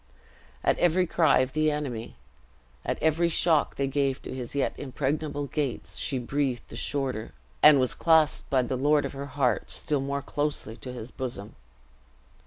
At every cry of the enemy, at every shock they gave to his yet impregnable gates, she breathed the shorter, and was clasped by the lord of her heart still more closely to his bosom.